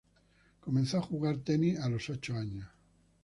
Comenzó a jugar tenis a los ocho años.